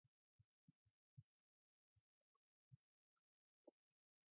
A thermosiphon is "simpler" than a heat pipe.